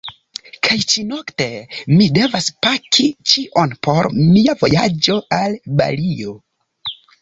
Kaj ĉi-nokte mi devas paki ĉion por mia vojaĝo al Balio.